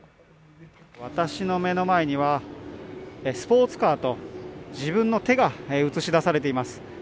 私の目の前にはスポーツカーと自分の手が映し出されています。